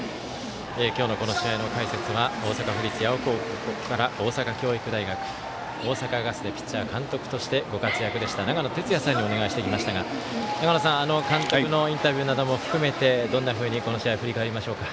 今日の、この試合の解説は大阪府立八尾高校から大阪教育大学、大阪ガスでピッチャー、監督としてご活躍でした長野哲也さんにお願いしてきましたが長野さん監督のインタビューなども含めてどんなふうにこの試合振り返りましょうか。